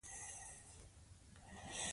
موږ باید امنیت تامین کړو.